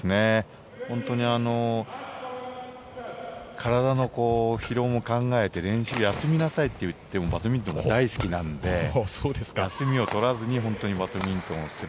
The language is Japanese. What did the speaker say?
体の疲労も考えて練習を休みなさいと言ってもバドミントンが大好きなので休みを取らずにバドミントンをする。